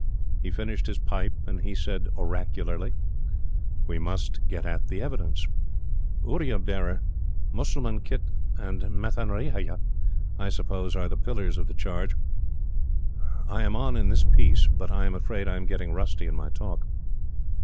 He finished his pipe and said oracularly: "we must get at the evidence. Oorya bearer, Mussalman khit and methraniayah, I suppose, are the pillars of the charge. I am on in this piece; but I'm afraid I'm getting rusty in my talk."